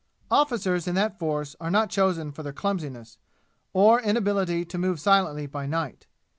Officers in that force are not chosen for their clumsiness, or inability to move silently by night.